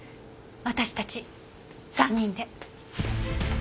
私たち３人で。